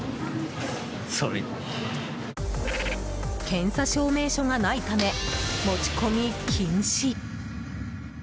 検査証明書がないため持ち込み禁止。